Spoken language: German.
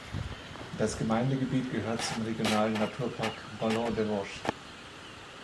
Das Gemeindegebiet gehört zum Regionalen Naturpark „Ballons des Vosges“.